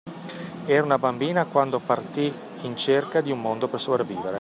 Era una bambina quando partì in cerca di un modo per sopravvivere.